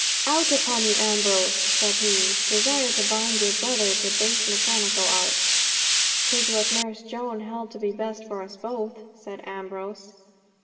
"Out upon you, Ambrose!" said he, "to desire to bind your own brother to base mechanical arts." "'Tis what Nurse Joan held to be best for us both," said Ambrose.